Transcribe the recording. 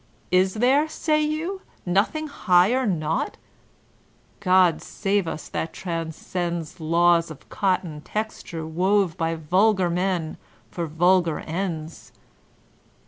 Is there, say yon, nothing higher — nanght, God save us, that transcends Laws of cotton textnre wove by vulgar men for vulgar ends?